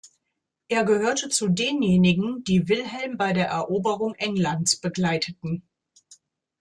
Er gehörte zu denjenigen, die Wilhelm bei der Eroberung Englands begleiteten.